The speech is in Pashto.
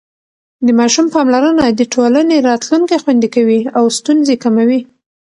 د ماشوم پاملرنه د ټولنې راتلونکی خوندي کوي او ستونزې کموي.